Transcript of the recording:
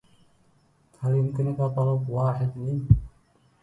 هل يمكنك طلب واحد لي؟